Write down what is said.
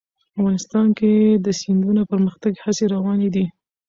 افغانستان کې د سیندونه د پرمختګ هڅې روانې دي.